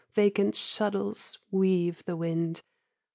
Vacant shuttles Weave the wind.